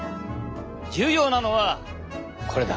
重要なのはこれだ！